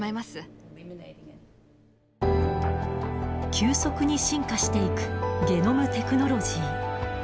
急速に進化していくゲノムテクノロジー。